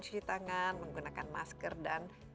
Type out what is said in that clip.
cuci tangan menggunakan masker dan